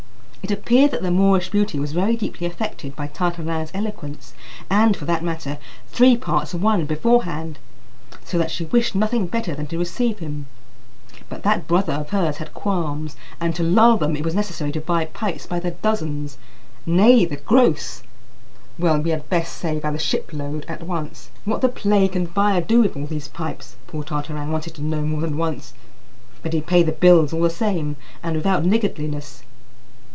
It appeared that the Moorish beauty was very deeply affected by Tartarin's eloquence, and, for that matter, three parts won beforehand, so that she wished nothing better than to receive him; but that brother of hers had qualms, and to lull them it was necessary to buy pipes by the dozens; nay, the gross well, we had best say by the shipload at once. "What the plague can Baya do with all these pipes?" poor Tartarin wanted to know more than once; but he paid the bills all the same, and without niggardliness.